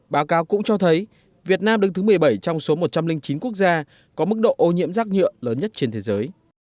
báo cáo cũng cho thấy việt nam đứng thứ một mươi bảy trong số một trăm linh chín quốc gia có mức độ ô nhiễm rác nhựa lớn nhất trên thế giới